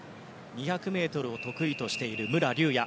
２００ｍを得意としている武良竜也。